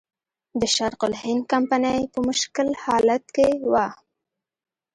د شرق الهند کمپنۍ په مشکل حالت کې وه.